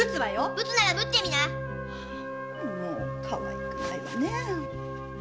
ぶつならぶってみなかわいくないね。